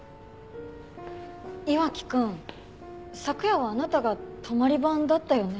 岩城くん昨夜はあなたが泊まり番だったよね？